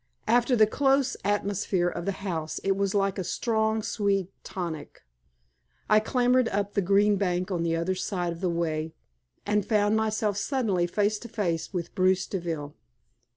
After the close atmosphere of the house it was like a strong, sweet tonic. I clambered up the green bank on the other side of the way and found myself suddenly face to face with Bruce Deville.